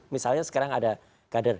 misalnya sekarang ada kader